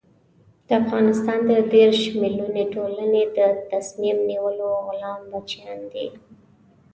د افغانستان د دېرش ملیوني ټولنې د تصمیم نیولو غلام بچیان دي.